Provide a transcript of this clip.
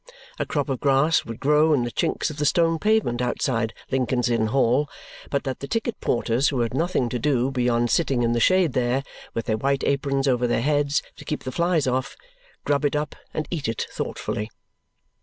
A crop of grass would grow in the chinks of the stone pavement outside Lincoln's Inn Hall, but that the ticket porters, who have nothing to do beyond sitting in the shade there, with their white aprons over their heads to keep the flies off, grub it up and eat it thoughtfully.